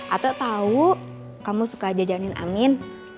atau tahu kamu suka aja jalanin amin